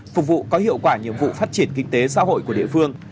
phục vụ có hiệu quả nhiệm vụ phát triển kinh tế xã hội của địa phương